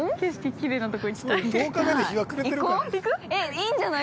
きれいなとこ行きたい。